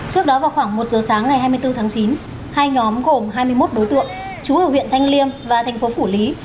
trước đó vào khoảng một giờ sáng ngày hai mươi bốn tháng chín hai nhóm gồm hai mươi một đối tượng trú ở huyện thanh liêm và thành phố phủ lý